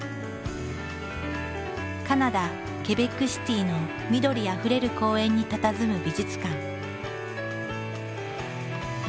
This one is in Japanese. カナダ・ケベックシティの緑あふれる公園にたたずむ美術館。